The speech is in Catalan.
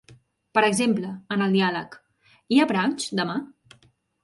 Per exemple, en el diàleg "Hi ha brunch demà?